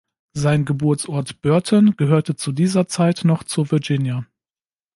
Sein Geburtsort Burton gehörte zu dieser Zeit noch zu Virginia.